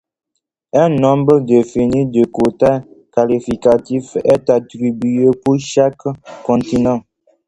Un nombre défini de quotas qualificatifs est attribué pour chaque continent.